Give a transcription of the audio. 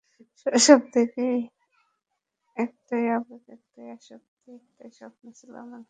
শৈশব থেকেই একটাই আবেগ, একটাই আসক্তি, একটাই স্বপ্ন ছিল আমার ভাইয়ের।